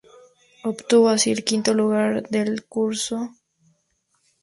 Obtuvo así el quinto lugar del concurso, ganado finalmente por Agnes Carlsson.